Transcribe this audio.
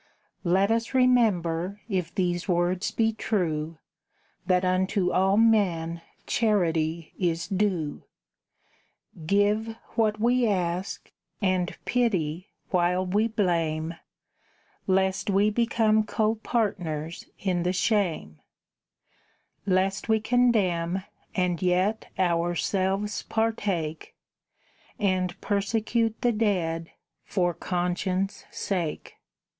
Let us remember, if these words be true, That unto all men Charity is due; Give what we ask; and pity, while we blame, Lest we become copartners in the shame, Lest we condemn, and yet ourselves partake, And persecute the dead for conscience' sake.